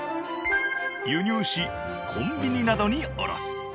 輸入しコンビニなどに卸す。